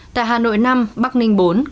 tại hà nội năm bắc ninh bốn